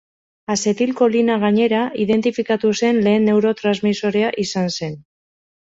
Azetilkolina gainera, identifikatu zen lehen neurotransmisorea izan zen.